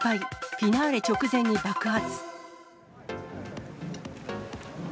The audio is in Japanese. フィナーレ直前に爆発。